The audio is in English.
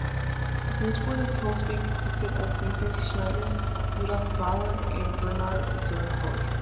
The first board of Postbank consisted of Guenter Schneider, Rudolf Bauer and Bernhard Zurhorst.